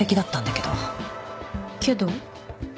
けど？